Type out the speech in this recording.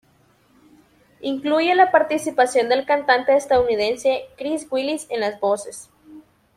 Incluye la participación del cantante estadounidense Chris Willis en las voces.